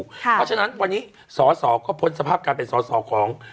เพราะฉะนั้นวันนี้สอสอก็พ้นสภาพการเป็นสอสอของ